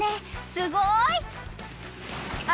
すごい！あ！